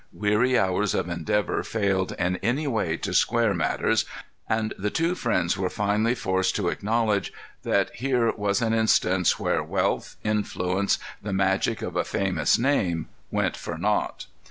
Weary hours of endeavor failed in any way to square matters, and the two friends were finally forced to acknowledge that here was an instance where wealth, influence, the magic of a famous name, went for naught.